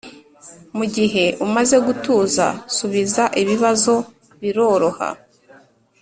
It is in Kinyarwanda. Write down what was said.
mugihe umaze gutuza gusubiza ibibazo biroroha